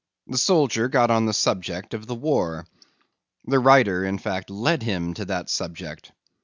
The soldier got on the subject of the war. The writer, in fact, led him to that subject.